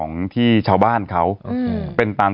นี่มีสี่หูหาตา